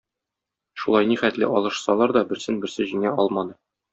Шулай нихәтле алышсалар да, берсен-берсе җиңә алмады.